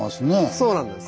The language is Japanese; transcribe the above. そうなんです。